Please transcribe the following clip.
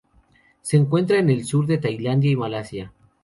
Se encuentra en el sur de Tailandia y Malasia.